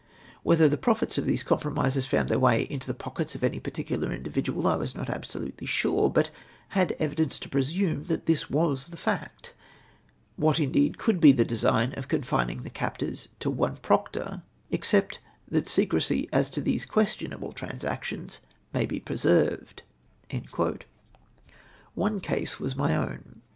Whether the profits of these compromises found their way into the pockets of any particular individual I was not absolutely sure, but had evidence to presume that this was the fact. AMiat indeed could be the design of con fining the captors to one proctor, except that secrecy as to these questionable transactions may be preserved." One case was my own.